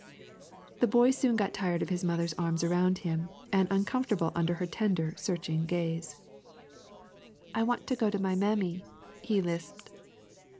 The boy soon got tired of his mother's arms around him, and uncomfortable under her tender, searching gaze. "I want to go to my mammy," he lisped.